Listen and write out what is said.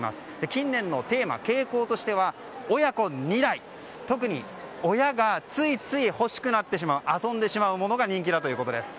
近年のテーマ、傾向としては親子２代、特に親がついつい欲しくなってしまう遊んでしまうものが人気だということです。